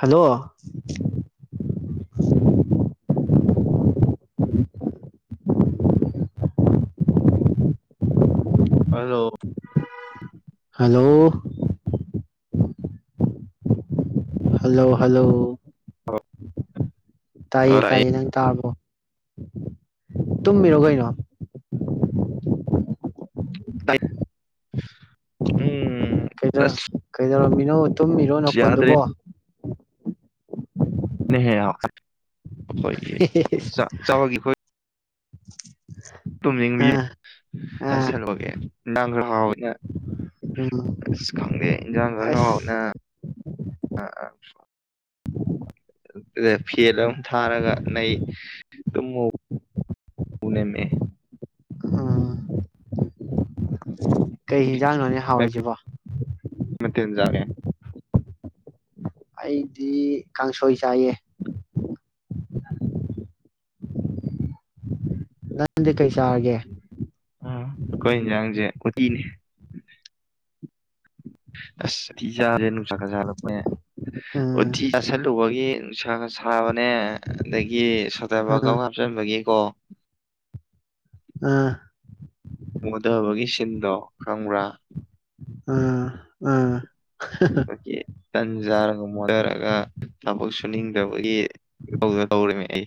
hello [inaudible] hello hello hello hello ꯇꯥꯏꯌꯦ ꯇꯥꯏꯌꯦ ꯅꯪ ꯇꯥꯕꯔꯣ ꯇꯨꯝꯃꯤꯔꯣ ꯀꯩꯅꯣ ꯎꯝ ꯀꯩꯗ ꯑꯁ ꯀꯩꯗꯧꯔꯝꯃꯤ [unintelligible] ꯇꯨꯝꯃꯤꯔꯣ ꯌꯥꯗ꯭ꯔꯦꯅꯦꯍꯦ ꯅꯈꯣꯟꯗꯨꯕꯣ [unintelligible] ꯑꯈꯣꯏꯒꯤ ꯆꯥꯛ ꯆꯥꯛ ꯍꯣꯏꯒꯤ ꯑꯈ [inaudible] ꯑꯥ ꯑꯥ ꯎꯝ ꯑꯁ [unintelligible] [inaudible] ꯐꯦꯟ ꯑꯝ ꯊꯥꯔꯒ ꯅꯩ ꯇꯨꯝꯃꯣ ꯎ ꯅꯅꯦ [inaudible] ꯀꯩ ꯍꯤꯡꯖꯥꯡꯅꯣꯅꯦ ꯀꯩ ꯍꯥꯎꯔꯤꯁꯤꯕꯣ [unintelligible] ꯑꯩꯗꯤ ꯀꯥꯡꯁꯣꯏ ꯆꯥꯏꯌꯦ [inaudible] ꯅꯪꯗꯤ ꯀꯩ ꯆꯥꯔꯒꯦ ꯎꯠꯇꯤꯅꯦ ꯑꯁ ꯎꯇꯤꯆꯥꯖꯦ ꯅꯨꯡꯁꯥ ꯖꯂꯄꯩꯅꯦ ꯎꯝ ꯎꯠꯇꯤ ꯆꯥꯁꯜꯂꯨꯕꯒꯤ ꯅꯨꯡꯁꯥꯒ ꯁꯥꯕꯅꯦ ꯑꯗꯒꯤ ꯎꯝ ꯁꯗꯥꯕꯥꯒꯝ ꯑꯃ ꯍꯞꯅꯟꯕꯒꯤ ꯀꯣ ꯑꯥ ꯃꯨꯊꯕꯒꯤ ꯁꯤꯟꯗꯣ ꯈꯪꯕ꯭ꯔꯥ ꯑꯥ ꯑꯥ ꯇꯟ ꯆꯥꯔ ꯃꯣꯠꯊꯔꯒ ꯊꯕꯛ ꯁꯨꯅꯤꯡꯗꯕꯒꯤ ꯇꯧꯔꯤꯅꯤ ꯑꯩ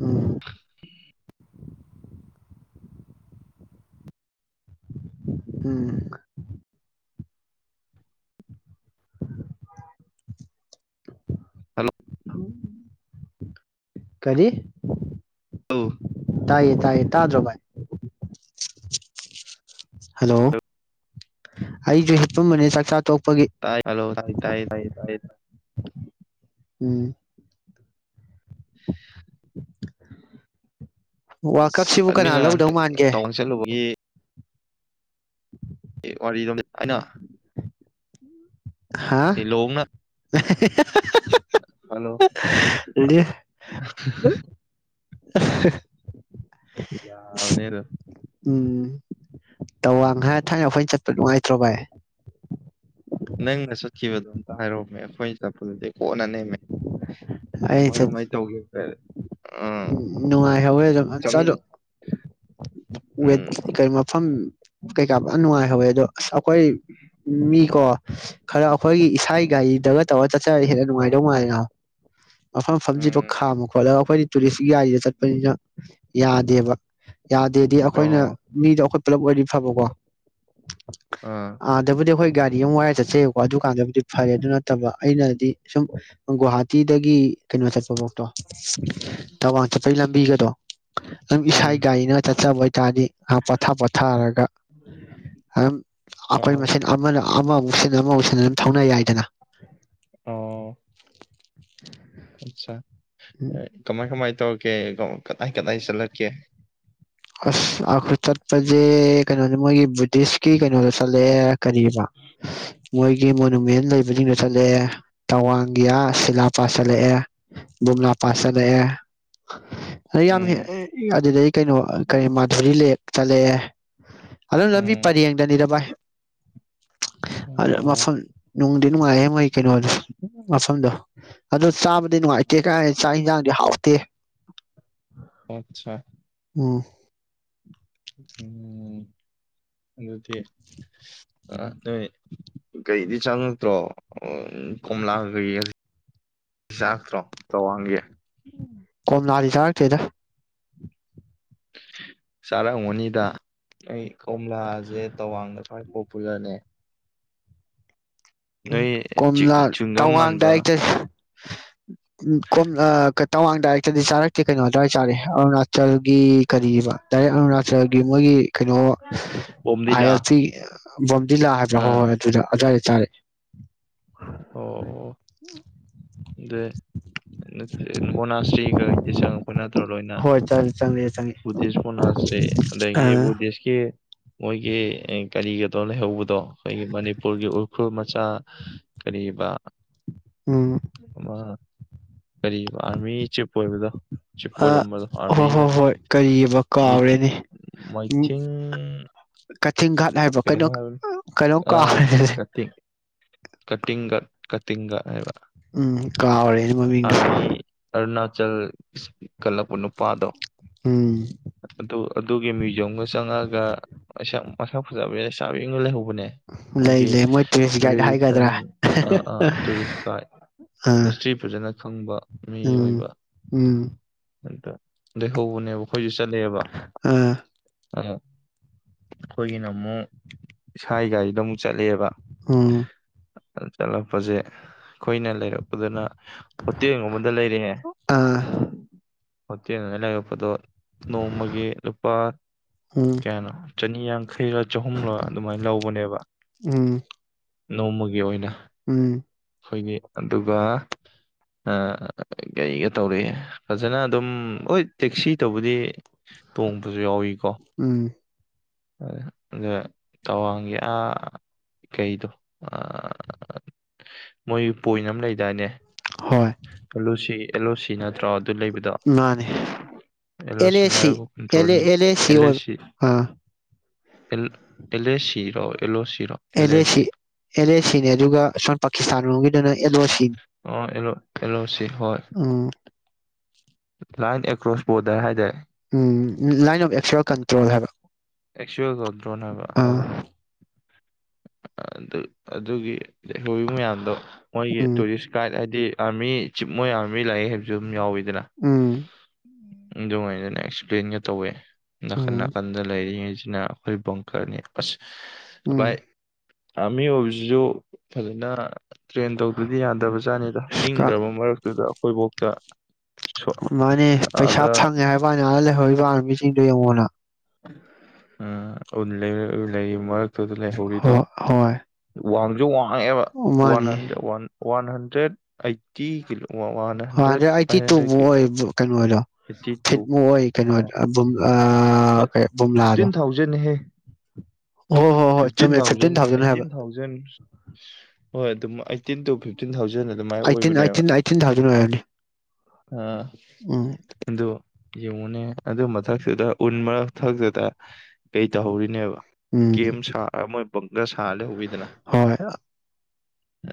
ꯎꯝ ꯎꯝ ꯍꯜꯂꯣ ꯀꯔꯤ ꯑꯎ ꯇꯥꯏꯌꯦ ꯇꯥꯏꯌꯦ ꯇꯥꯗ꯭ꯔꯣ ꯚꯥꯏ ꯍꯜꯂꯣ ꯑꯩꯁꯨ ꯍꯤꯞꯄꯝꯕꯅꯦ ꯆꯥꯛꯆꯥ ꯇꯣꯛ ꯇꯥꯏ ꯍꯜꯂꯣ ꯇꯥꯏ ꯇꯥꯏ ꯇꯥꯏ ꯀꯥꯏ ꯊ [unintelligible] ꯎꯝ [inaudible] ꯋꯥꯔꯜ ꯀꯞꯁꯤꯕꯨ ꯀꯅꯥ ꯂꯧꯗꯧ ꯃꯥꯟꯒꯦ ꯇꯥꯎꯟ ꯆꯠꯂꯨꯕꯒꯤ [unintelligible] [unintelligible] ꯍꯥ ꯂꯤꯂꯣꯡꯅ ꯍꯜꯂꯣ [inaudible] ꯑꯁ ꯌꯥꯕꯅꯦ ꯑꯗꯨꯝ ꯎꯝ ꯇꯋꯥꯡ ꯍꯥꯏ ꯊꯥꯏꯅ ꯑꯩꯈꯣꯏ ꯆꯠꯄ ꯅꯨꯡꯉꯥꯏꯇ꯭ꯔꯣ ꯚꯥꯏ ꯅꯪꯅ ꯆꯠꯈꯤꯕꯗꯣ ꯑꯝꯇ ꯍꯥꯏꯔꯣꯝꯃꯦ ꯑꯩꯈꯣꯏꯅ ꯆꯠꯄꯗꯨꯗꯤ ꯀꯣꯟꯅ ꯅꯦ ꯀꯃꯥꯏ ꯀꯃꯥꯏ ꯇꯧꯒꯦ ꯐꯔ ꯎꯝ ꯅꯨꯡꯉꯥꯏꯍꯧꯋꯦ ꯑꯗꯨ ꯆꯠꯂꯣ ꯆꯠꯃꯤꯟꯅ ꯎꯝ ꯀ ꯃꯐꯝ ꯀꯩꯀꯥ ꯅꯨꯡꯉꯥꯏꯍꯧꯋꯦ ꯑꯗꯣ ꯑꯁ ꯑꯩꯈꯣꯏ ꯃꯤꯀꯣ ꯈꯔ ꯑꯩꯈꯣꯏꯒꯤ ꯊꯥꯏ ꯒꯥꯔꯤꯗꯒ ꯇꯧꯔꯒ ꯆꯠꯆꯔ ꯍꯦꯟꯅ ꯅꯨꯡꯉꯥꯏꯗꯧꯅꯨꯡꯉꯥꯏꯔꯅꯣ ꯃꯐꯝ ꯐꯝꯖꯤꯠꯇꯣ ꯎꯝ ꯈꯥꯝ ꯈꯣꯠꯂꯦꯒ ꯑꯩꯈꯣꯏꯗꯤ ꯇꯨꯔꯤꯁꯀꯤ ꯒꯥꯔꯤꯗ ꯆꯠꯄꯅꯤꯅ ꯌꯥꯗꯦꯕ ꯌꯥꯗꯦꯗꯤ ꯑꯩꯈꯣꯏꯅ ꯑꯣ ꯃꯤꯗꯣꯈ ꯄꯨꯂꯞ ꯑꯣꯏꯗꯤ ꯐꯕꯀꯣ ꯑꯥ ꯑꯗꯕꯨꯗꯤ ꯍꯣꯏ ꯒꯥꯔꯤ ꯑꯃ ꯋꯥꯏꯔ ꯆꯠꯆꯩꯌꯦꯕꯀꯣ ꯑꯗꯨꯀꯥꯟꯗꯕꯨꯗꯤ ꯐꯔꯦ ꯑꯗꯨ ꯅꯠꯇꯕ ꯑꯩꯅꯗꯤ ꯁꯨꯝ ꯒꯨꯍꯥꯇꯤꯗꯒꯤ ꯀꯩꯅꯣ ꯆꯠꯄ ꯐꯣꯛꯇꯣ ꯃ ꯆꯄꯩ ꯂꯝꯕꯤꯒꯗꯣ [unintelligible] ꯑꯗꯨꯝ ꯎꯝ ꯏꯁꯥꯏ ꯒꯥꯔꯤꯅ ꯆꯠꯆꯕ ꯑꯣꯏ ꯇꯥꯅꯤ ꯉ ꯄꯣꯊꯥ ꯄꯣꯊꯥꯔꯒ ꯑꯗꯨꯝ ꯑꯩꯈꯣꯏ ꯑꯣ ꯃꯆꯦꯟ ꯑꯃꯅ ꯑꯃꯃꯨꯛꯁꯤꯟꯅ ꯑꯃꯃꯨꯛꯁꯤꯟꯅ ꯑꯗꯨꯝ ꯊꯧꯅ ꯌꯥꯏꯗꯅ ꯑꯣ ꯑꯆꯥ ꯎꯝ ꯀꯃꯥꯏ ꯀꯃꯥꯏ ꯑꯦꯀꯦ ꯀꯣ ꯀꯗꯥꯏ ꯀꯗꯥꯏ ꯆꯠꯂꯛꯀꯦ ꯑꯁ ꯑꯈꯣꯏ ꯆꯠꯄꯖꯦ ꯀꯩꯅꯣꯅꯦ ꯃꯣꯏꯒꯤ ꯗꯤꯁꯀꯤ ꯀꯩꯅꯣꯗ ꯆꯠꯂꯛꯑꯦ ꯀꯔꯤꯕ ꯃꯣꯏꯒꯤ ꯃꯣꯅꯨꯃꯦꯟ ꯂꯩꯕꯁꯤꯡꯗ ꯆꯠꯂꯛꯑꯦ ꯇꯋꯥꯡꯒꯤꯑ ꯁꯤꯂꯥ ꯄꯥꯠ ꯆꯠꯂꯛꯑꯦ ꯕꯣꯝꯂꯥ ꯄꯥꯁ ꯎꯝ ꯆꯂꯛꯑꯦ ꯑꯗ ꯌꯥꯝ ꯎꯝ ꯑꯗꯨꯗꯩ ꯀꯩꯅꯣ ꯃꯥꯙꯨꯔꯔꯤ ꯂꯦꯛ ꯆꯠꯂꯦ ꯑꯗꯨꯝ ꯂꯝꯕꯤ ꯎꯝ ꯄꯔꯦꯡꯗꯅꯤꯗ ꯚꯥꯏ ꯑꯗ ꯃꯐꯝ ꯑꯣ ꯅꯨꯡꯗꯤ ꯅꯨꯡꯉꯥꯏ ꯃꯣ ꯀꯩꯅꯣꯗꯨꯁꯨ ꯃꯁꯝꯗꯣ ꯑꯗꯨ ꯆꯕꯗꯤꯅꯨꯡꯉꯥꯏꯇꯦ ꯀꯥꯏ ꯆꯥꯛ ꯍꯤꯖꯥꯡ ꯍꯥꯎꯇꯦ ꯑꯆꯥ ꯎꯝ [inaudible] ꯎꯝ ꯑꯗꯨꯗꯤ ꯅꯣꯏ ꯀꯩꯗꯤ ꯆꯪꯉꯛꯇ꯭ꯔꯣ ꯀꯣꯝꯂꯥ ꯀꯩ ꯆꯥꯔꯛꯇ꯭ꯔꯣ ꯇꯋꯥꯡꯒꯤ ꯀꯣꯝꯂꯥꯗꯤ ꯆꯥꯔꯛꯇꯦꯗ ꯆꯥꯔꯛꯑꯝꯒꯅꯤꯗ ꯑꯩ ꯀꯣꯝꯂꯥꯁꯦ ꯇꯋꯥꯡꯗ ꯈ꯭ꯋꯥꯏ ꯄꯣꯄꯨꯂꯔꯅꯦ ꯅꯣꯏ ꯀꯣꯝꯂ ꯆꯤꯡꯒꯝ ꯇꯋꯥꯡꯗ ꯃꯥꯟꯕ ꯑꯛꯇ ꯀꯣ ꯇꯋꯥꯡꯗ ꯑꯌꯛꯇꯗꯤ ꯆꯥꯔꯛꯇꯦ ꯀꯩꯅꯣ ꯆꯥꯗꯤ ꯆꯥꯔꯦ ꯑꯔꯅꯥ ꯆꯪꯉꯛꯏꯒꯤ ꯀꯔꯤꯕ ꯗꯥꯏꯔꯦꯛ ꯑꯔꯨꯅꯥꯆꯜꯒꯤ ꯃꯣꯏꯒꯤ ꯀꯩꯅꯣ ꯑꯥꯏ ꯕꯣꯝꯗꯤꯂꯥ ꯑꯦꯜ ꯄꯤ [unintelligible] ꯑꯗꯨꯂ ꯍꯥꯏ ꯍꯣꯏ ꯑꯥ ꯍꯣꯏ ꯑꯗꯨꯂ ꯆꯥꯔꯦ ꯑꯣ ꯑꯗꯨꯏ ꯅꯠꯇꯦ ꯃꯣꯅꯥꯁꯇ꯭ꯔꯤꯈꯩꯗꯤ ꯆꯪꯉꯛꯄ ꯅꯠꯇ꯭ꯔꯣ ꯂꯣꯏꯅ ꯍꯣꯏ ꯆꯪꯉꯦ ꯆꯪꯉꯦ ꯕꯨꯙꯤꯁ ꯃꯣꯅꯥꯁꯇ꯭ꯔꯤ ꯑꯗꯒꯤ ꯑ ꯕꯨꯙꯤꯁꯀꯤ ꯃꯣꯏꯒꯤ ꯀꯔꯤꯒꯤꯗꯣ ꯂꯩꯍꯧꯕꯗꯣ ꯑꯩꯈꯣꯏꯒꯤ ꯃꯅꯤꯄꯨꯔꯒꯤ ꯎꯈ꯭ꯔꯨꯜ ꯃꯆꯥ ꯀꯔꯤꯕ ꯎꯝ ꯑꯃ ꯀꯔꯤ ꯑꯥꯔꯃꯤ ꯆꯤꯞ ꯑꯣꯏꯕꯗꯣ ꯆꯤꯞ ꯑ ꯑꯣꯏꯔꯝꯕꯗꯣ ꯑꯥꯔꯃꯤ ꯍꯣꯏ ꯍꯣꯏ ꯅꯠꯇꯦ ꯍꯣꯏ ꯀꯔꯤꯑꯕ ꯃꯤꯊꯤꯡ ꯀꯥꯎꯔꯦꯅꯦ ꯃꯥꯏꯊꯤꯡ ꯆꯤꯡꯒꯥꯥꯠ ꯍꯥꯏꯕ ꯀꯩꯅꯣꯝ ꯀꯩꯅꯣ ꯍꯥꯏꯕꯅꯤ ꯀꯩꯅꯣꯝ ꯀꯥꯎ ꯀꯥꯇꯤꯡꯒꯥꯠ ꯀꯥꯇꯤꯡꯒꯥꯠ ꯍꯥꯏꯕ ꯎꯝ ꯀꯥꯎꯔꯦꯅꯦ ꯃꯃꯤꯡꯗꯨ ꯆꯜ ꯀꯜꯂꯛꯄꯥ ꯅꯨꯄꯥꯗꯣ ꯎꯝ ꯑꯗꯨ ꯑꯗꯨꯒꯤ ꯃ꯭ꯌꯨꯖꯤꯌꯝꯒꯥ ꯆꯪꯉꯥꯒ ꯀꯩꯁꯨꯌꯥꯝ ꯃꯥꯁꯛ ꯐꯖꯥꯕꯤ ꯂꯩꯁꯥꯕꯤ ꯑꯃꯥꯒ ꯂꯩꯍꯧꯕ ꯂꯩ ꯂꯩ ꯃꯣꯏ ꯇꯨꯔꯤ꯭ꯁ ꯒꯥꯏꯗ ꯍꯥꯏꯒ ꯎꯝ ꯑꯥ ꯑꯥ ꯇꯨꯔꯤꯁ ꯒꯥꯏꯗ ꯑꯥ ꯍꯤꯁꯇ꯭ꯔꯤ ꯐꯖꯅ ꯈꯪꯕ ꯎꯝ ꯎꯝ ꯑꯗꯥ ꯂꯩꯍꯧꯎꯕꯅꯦꯕ ꯑꯈꯣꯢꯁꯨ ꯆꯠꯂꯦꯕ ꯑꯥ ꯑ ꯑꯩꯈꯣꯏꯒꯤꯅ ꯑꯃꯨꯛ ꯏꯁꯥꯒꯤ ꯒꯥꯔꯤꯗ ꯑꯃꯨꯛ ꯆꯠꯂꯦꯕ ꯎꯝ ꯑꯗꯥ ꯆꯠꯂꯛꯄꯁꯦ ꯑꯩꯈꯣꯏꯅ ꯂꯩꯔꯛꯄꯗꯅ ꯍꯣꯇꯦꯜ ꯑꯃꯗ ꯂꯩꯔꯛꯑꯦ ꯑꯥ ꯍꯣꯇꯦꯜꯗ ꯂꯩꯔꯛꯄꯗꯣ ꯅꯣꯡꯃꯒꯤ ꯂꯨꯄꯥ ꯎꯝ ꯀꯌꯥꯅꯣ ꯆꯅꯤꯌꯥꯡ ꯈꯩꯔꯥ ꯆꯍꯨꯝꯔꯥ ꯑꯗꯨꯃꯥꯏꯅ ꯂꯧꯕꯅꯦꯕ ꯎꯝ ꯅꯣꯡꯃꯒꯤ ꯒꯤ ꯑꯣꯏꯅ ꯎꯝ ꯑꯩꯈꯣꯏꯒꯤ ꯑꯗꯨꯒ ꯀꯩꯒ ꯇꯧꯔꯛꯑꯦ ꯐꯖꯅ ꯑꯗꯨꯝ ꯍꯣꯏ ꯇꯦꯛꯁꯤ ꯇꯧꯕꯗꯤ ꯇꯣꯡꯕꯁꯨ ꯌꯥꯎꯋꯤꯀꯣ ꯎꯝ ꯑꯗ ꯇꯋꯥꯡꯒꯤ ꯑꯥ ꯀꯩꯗꯣ ꯃꯣꯏ ꯄꯣꯏꯟ ꯑꯃ ꯂꯩꯗꯥꯏꯅꯦ ꯍꯣꯏ ꯑꯦꯜ ꯂꯣ ꯁꯤ ꯑꯦꯜ ꯂꯣ ꯁꯤ ꯅꯠꯇ꯭ꯔꯣ ꯑꯗꯨ ꯂꯩꯕꯗꯣ ꯃꯥꯅꯦ ꯑꯦꯜ ꯑꯦ ꯂꯣꯁꯤꯅ ꯁꯤ ꯑꯦꯜ ꯗ꯭ꯔꯣꯟ ꯑꯦ ꯑꯦ ꯑꯦꯜ ꯂꯣ ꯑꯣꯏꯕ ꯁꯤ ꯑꯥ ꯑꯦꯜ ꯑꯦꯜ ꯑꯦꯁ ꯁꯤ ꯔꯣ ꯑꯦꯜꯂꯣꯁꯤꯔꯣ ꯑꯦꯜ ꯑꯦ ꯑꯦꯜꯑꯦꯁꯁꯤ ꯁꯤ ꯑꯦꯜ ꯑꯦꯁꯁꯤꯅꯦ ꯑꯗꯨꯒ ꯁꯣꯝ ꯄꯥꯀꯤꯁꯇꯥꯟ ꯂꯣꯝꯒꯤꯗꯨꯅ ꯑꯦꯜꯂꯣꯁꯁꯤ ꯑꯣ ꯑꯦꯜ ꯑꯣ ꯑꯦꯜ ꯑꯣ ꯁꯤ ꯍꯣꯏ ꯎꯝ ꯂꯥꯏꯟ ꯑꯦꯀ꯭ꯔꯣꯁ ꯕꯣꯔꯗ꯭ꯔ ꯍꯥꯏꯗꯣꯢ ꯎꯝ ꯂꯥꯏꯟ ꯑꯣꯐ ꯑꯦꯛꯆꯋ꯭ꯦꯜ ꯀꯟꯇ꯭ꯔꯣꯜ ꯍꯥꯏꯕ [unintelligible] ꯑꯥ ꯑꯗꯨ ꯑꯗꯨꯒꯤ ꯂꯩꯍꯧꯔꯤ ꯃꯌꯥꯝꯗꯣ ꯃꯣꯏꯒꯤ ꯎꯝ ꯇꯨꯔꯤꯁ ꯒꯥꯏꯠ ꯍꯥꯏ ꯑꯦꯑꯔꯃꯤ ꯆꯤꯞ ꯃꯣꯏ ꯑꯥꯔꯃꯤ ꯂꯥꯏꯔꯤꯛ ꯍꯥꯏꯕꯁꯨ ꯑꯗꯨꯝ ꯌꯥꯎꯋꯤ ꯎꯝ ꯑꯗꯨ ꯉꯥꯏꯅꯥꯅꯦꯁꯦ [inaudible] ꯄ꯭ꯂꯦꯟꯒ ꯇꯧꯋꯦ ꯅꯥꯀꯟ ꯎꯝ ꯅꯥꯀꯟꯗ ꯂꯩꯔꯤ ꯖꯤꯅ ꯑꯈꯣꯢ ꯕꯡꯀꯔ ꯅꯦ ꯑꯁ ꯕꯥꯏ ꯎꯝ ꯑꯥꯔꯃꯤ ꯑꯣꯏꯕꯁꯤꯁꯨ ꯐꯖꯅ ꯇ꯭ꯔꯦꯟ ꯇꯧꯗꯗꯤ ꯌꯥꯗꯕꯖꯥꯠꯅꯤꯗ ꯑꯁ ꯀ ꯏꯪꯒꯔꯕ ꯃꯔꯛꯇꯨꯗ ꯑꯩꯈꯣꯏꯕꯥꯎꯇ ꯃꯥꯅꯦ ꯄꯩꯁꯥ ꯐꯪꯉꯦ ꯍꯥꯏꯕꯅꯦ ꯑꯥꯗꯥ ꯂꯩꯍꯧꯔꯤ ꯗꯣ ꯑꯥꯔꯃꯤ ꯁꯤꯡꯗꯣ ꯌꯦꯡꯑꯣꯅꯥ [inaudible] ꯑꯧ ꯂꯩ ꯂꯩ ꯃꯔꯛ [unintelligible] ꯇꯨꯗꯥ ꯂꯩꯍꯧꯔꯤꯗꯣ ꯍꯣꯏ ꯍꯣꯏ [unintelligible] [unintelligible] ꯑꯕꯥ ꯋꯥꯟ ꯃꯥꯅꯦ hundred one one hundred eighty kilo one ꯍꯟꯗꯤ ꯍꯟꯗ꯭ꯔꯦꯠ ꯑꯩꯠ ꯑꯥꯏꯇꯤꯇꯨꯕꯨ ꯍꯟꯗ꯭ꯔꯦꯠ ꯑꯣꯏꯕ ꯀꯩꯅꯣꯗꯣ ꯐꯤꯠꯃꯨꯛ ꯑꯣꯏ ꯀꯩꯅꯣ ꯕꯨꯝ ꯑꯥ ꯀꯩ ꯕꯨꯝꯂꯥꯗꯣ ꯐꯤꯞꯇꯤꯟ ꯊꯥꯎꯖꯟ ꯅꯤ ꯍꯦ ꯍꯣꯏ ꯍꯣꯏ ꯍꯣꯏ ꯐꯤꯞꯇꯤꯟ ꯆꯨꯝꯃꯦ ꯊꯥꯎꯖꯟ ꯑꯥꯏꯇꯤꯟ ꯍꯥꯏꯕ ꯊꯥꯎꯖꯟ ꯍꯣꯏ ꯑꯗꯨ ꯑꯩꯠꯇꯤꯟ ꯇꯨ ꯐꯤꯞꯇꯤꯟ ꯊꯥꯎꯖꯟ ꯖꯟ ꯑꯗꯨꯃꯥꯏ ꯑꯩꯠꯇꯤꯟ ꯑꯣꯏꯕꯅꯦꯕ ꯑꯩꯠꯇꯤꯟ ꯑꯩꯠꯇꯤꯟ ꯊꯥꯎꯖꯟ ꯑꯣꯏꯔꯝꯅꯤ ꯑ ꯎꯝ ꯑꯗꯣ ꯌꯦꯡꯉꯨꯅꯦ ꯑꯗꯨ ꯃꯊꯛꯇꯨꯗ ꯎꯟ ꯃꯔꯛꯊꯛꯇꯨꯗ ꯀꯩ ꯇꯧꯍꯧꯔꯤꯅꯦꯕ ꯎꯝ ꯀꯦꯝ ꯁꯥꯔꯥ ꯃꯣꯏ ꯕꯪꯀꯔ ꯁꯥ ꯂꯩꯍꯧꯋꯤꯗꯅ ꯍꯣꯏ ꯑ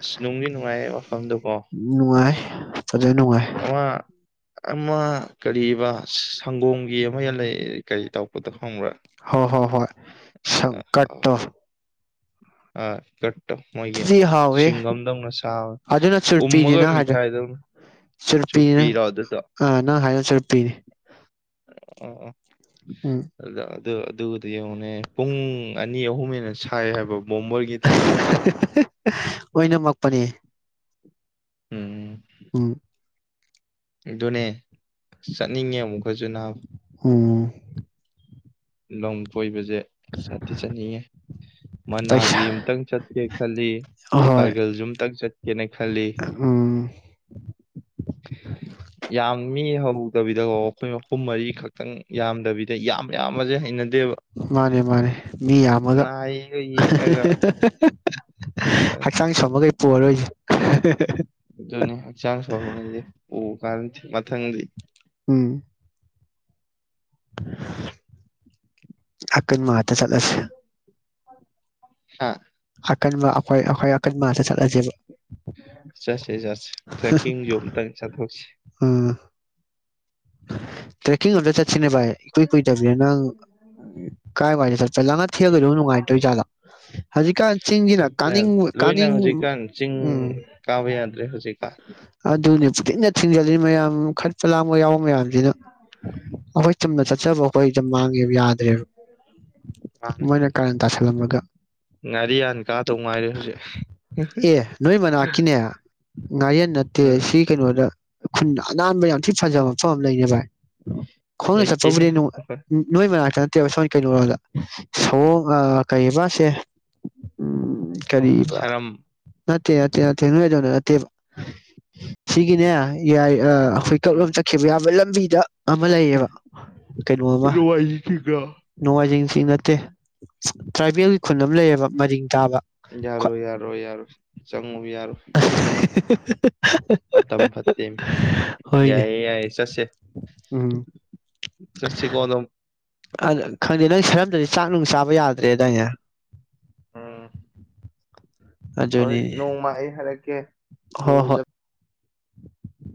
ꯑꯁ ꯅꯨꯡꯗꯤ ꯅꯨꯡꯉꯥꯏꯌꯦ ꯃꯐꯝꯗꯨꯀꯣ ꯅꯨꯡꯉꯥꯏ ꯐꯖꯅ ꯅꯨꯡꯉꯥꯏ ꯑꯃ ꯑꯃ ꯀꯔꯤꯕ ꯁꯪꯒꯣꯝꯒꯤ ꯑꯃ ꯂꯩ ꯀꯔꯤ ꯇꯧꯄꯗꯣ ꯍꯣꯍꯣꯍꯣꯏ ꯁꯪꯀꯠ ꯇꯣ ꯑ ꯀꯠ ꯃꯣꯏꯒꯤ ꯍꯥꯎꯋꯦ ꯁꯤꯡꯒꯝꯗꯧꯅ ꯆꯥꯕ ꯑꯗꯨꯅ ꯎꯝꯃꯒ ꯃꯤꯊꯥꯏꯗꯧꯅ ꯆꯨꯔꯄꯤꯅꯤ ꯆꯨꯞꯄꯤꯔꯣ ꯑꯗꯨꯗꯣ ꯑ ꯅꯪ ꯍꯥꯏꯅ ꯆꯨꯔꯄꯤꯅꯤ ꯑ ꯑꯥ [unintelligible] ꯎꯝ ꯑꯗ ꯗ ꯑꯗꯨꯒꯗꯣ ꯌꯦꯡꯉꯨꯅꯦ ꯄꯨꯡ ꯑꯅꯤ ꯑꯍꯨꯝ ꯍꯦꯟꯅꯥ ꯑꯣꯏꯅꯝꯃꯛꯄꯅꯦ ꯎꯝ ꯎꯝ [unintelligible] ꯑꯗꯨꯅꯦ ꯆꯠꯅꯤꯡꯉꯦ ꯑꯃꯨꯛ [unintelligible] ꯎꯝ ꯂꯝ ꯀꯣꯏꯕꯁꯦ ꯆꯠꯇꯤ ꯆꯠꯅꯤꯡꯉꯦ ꯃꯅꯥꯂꯤ ꯄꯩꯁꯥ ꯑꯃꯇꯪ ꯆꯠꯀꯦ ꯈꯜꯂꯤ ꯍꯣꯏ ꯀꯥꯔꯒꯜꯁꯨ ꯑꯝꯇꯪ ꯆꯠ ꯀꯦꯅ ꯈꯜꯂꯤ ꯎꯝ ꯌꯥꯝ ꯃꯤ ꯍꯧꯗꯕꯤꯗꯀꯣ ꯑꯩꯈꯣꯏ ꯑꯍꯨꯝ ꯃꯔꯤ ꯈꯛꯇꯪ ꯌꯥꯝꯗꯕꯤꯗ ꯌꯥꯝ ꯌꯥꯝꯕꯁꯦ ꯍꯩꯅꯗꯦ ꯃꯥꯅꯦ ꯃꯥꯅꯦ ꯃꯤ ꯌꯥꯝꯃꯒ ꯅꯥꯏꯒ ꯌꯦꯛꯑꯒ ꯍꯛꯆꯥꯡ ꯁꯣꯟꯕꯒꯩ ꯄꯨꯔꯔꯣꯏꯁꯦ ꯑꯗꯨꯅꯦ ꯍꯛꯆꯥꯡ ꯁꯣꯟꯕ ꯒꯩꯁꯦ ꯑꯣ ꯃꯊꯪꯗꯤ ꯎꯝ ꯑꯀꯟꯕ ꯉꯥꯛꯇ ꯆꯠꯂꯁꯦ ꯍꯥ ꯑꯀꯟꯕ ꯑꯩꯈꯣꯏ ꯑꯩꯈꯣꯏ ꯑꯀꯟꯕ ꯉꯥꯛꯇ ꯆꯠꯂꯁꯦꯕ ꯆꯠꯁ ꯆꯠꯁꯦ ꯆꯠꯁꯦ ꯇ꯭ꯔꯦꯀꯤꯡꯁꯨ ꯑꯝꯇꯪ ꯆꯠꯊꯣꯛꯁꯤ ꯎꯝ ꯇ꯭ꯔꯦꯛꯀꯤꯡ ꯑꯝꯇ ꯆꯠꯁꯤꯅꯦ ꯚꯥꯏ ꯏꯀꯨꯏ ꯀꯨꯏꯗꯕꯤꯗ ꯅꯪ ꯀꯥꯏ ꯋꯥꯏꯗ ꯆꯠꯄ ꯅꯨꯡꯉꯥꯏꯗꯣꯏꯖꯥꯠꯂꯣ ꯍꯧꯖꯤꯛꯀꯥꯟ ꯆꯤꯡꯁꯤꯅ ꯆꯠꯄ ꯀꯥꯅꯤꯡꯕꯣꯏ ꯂꯣꯏꯅ ꯀꯥꯅꯤꯡ ꯍꯧꯖꯤꯛꯀꯥꯟ ꯆꯤꯡ ꯎꯝ ꯀꯥꯕ ꯌꯥꯗ꯭ꯔꯦ ꯍꯧꯖꯤꯛꯀꯥꯟ ꯑꯗꯨꯅꯤ ꯄꯨꯡꯊꯤꯡꯗ ꯊꯤꯡꯖꯜ ꯃꯌꯥꯝ ꯈꯠꯄ ꯂꯥꯡꯕ ꯌꯥꯎ ꯃꯌꯥꯝꯁꯤꯅ ꯑꯩꯈꯣꯏ ꯆꯨꯝꯅ ꯎꯝ ꯆꯠꯆꯕ ꯑꯩꯈꯣꯏ ꯃꯥꯥꯡꯒꯦꯕ ꯌꯥ ꯗ꯭ꯔꯦꯕ ꯃꯥꯅꯦ ꯃꯣꯏꯅ ꯀꯥꯔꯟ ꯇꯥꯁꯟ [unintelligible] ꯉꯥꯔꯤꯌꯥꯟ ꯀꯥꯗꯧ ꯉꯥꯏꯔꯦ ꯍꯧꯖꯤꯛ ꯉꯥꯌꯦꯟ ꯅꯠꯇꯦ ꯎꯝ ꯁꯤ ꯀꯩꯅꯣꯗ ꯈꯨꯟ ꯑꯅꯥꯟꯕ ꯌꯥꯝ ꯊꯤꯅ ꯐꯖꯕ ꯃꯐꯝ ꯂꯩꯅꯦ ꯚꯥꯏ ꯈꯣꯡꯅ ꯆꯠꯄ ꯂꯩꯇꯦꯍꯦ ꯕꯨꯗꯤ ꯅꯨꯡ- ꯑ- ꯅꯣꯏ ꯃꯅꯥꯛꯇ ꯁꯣꯝ ꯀꯩꯅꯣ ꯔꯣꯝꯗ ꯁꯑꯣꯡ ꯑ- ꯀꯩꯑꯕꯁꯦ ꯎꯝ ꯀꯔꯤꯕ ꯁꯔꯝ ꯅꯠꯇꯦ ꯅꯠꯇꯦ ꯅꯠꯇꯦ ꯅꯣꯏ ꯑꯗꯣꯝꯗ ꯅꯠꯇꯦꯕ ꯁꯤꯒꯤꯅꯦ ꯌꯥꯏ ꯑ ꯍꯨꯏꯀꯨꯞ ꯎꯝ ꯂꯣꯝ ꯆꯠ ꯈꯤꯕ ꯌꯥꯕ ꯂꯝꯕꯤꯗ ꯑꯃ ꯂꯩꯌꯦꯕ ꯀꯩꯅꯣ ꯑꯃ ꯂꯋꯥꯏꯁꯤꯒ ꯅꯣꯡꯃꯥꯏꯖꯤꯡ ꯆꯤꯡ ꯅꯠꯇꯦ ꯇ꯭ꯔꯥꯏꯕꯦꯜꯒꯤ ꯈꯨꯟ ꯑꯃ ꯂꯩꯌꯦꯕ ꯃꯔꯤꯡ ꯇꯥꯕ ꯌꯥꯔꯣꯢ ꯌꯥꯔꯣꯢ ꯌꯥꯔꯣꯢ ꯆꯪꯉꯨ ꯌꯥꯔ ꯐꯇꯝ ꯐꯠꯇꯦ ꯍꯣꯏꯅꯦ ꯌꯥꯏꯌꯦ ꯌꯥꯏꯌꯦ ꯆꯠꯁꯦ ꯎꯝ ꯆꯠꯁꯦ ꯀꯣ ꯑꯗꯨꯝ ꯑꯗ ꯈꯪꯗꯦꯗ ꯅꯣꯢ ꯁꯔ꯭ꯕ ꯗꯤ ꯆꯥꯛ ꯅꯨꯡ ꯆꯥꯕ ꯌꯥꯗ꯭ꯔꯦꯗꯥꯏꯅꯦ ꯑꯝ ꯍꯣꯏ ꯅꯣꯡꯃ ꯑꯩ ꯍꯥꯏꯔꯛꯀꯦ ꯍꯣ ꯍꯣꯏ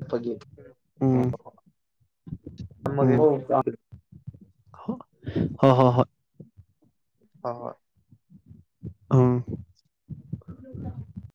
ꯐꯒꯤ ꯎꯝ [unintelligible] ꯍꯨꯛ ꯍ ꯍꯣ ꯍꯣꯏ ꯍꯣ ꯍꯣꯏ ꯑꯥ ꯑꯗꯨꯒ